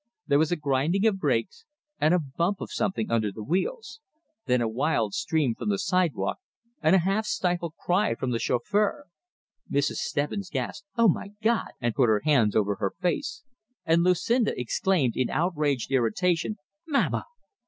There was a grinding of brakes, and a bump of something under the wheels; then a wild stream from the sidewalk, and a half stifled cry from the chauffeur. Mrs. Stebbins gasped, "Oh, my God!" and put her hands over her face; and Lucinda exclaimed, in outraged irritation, "Mamma!"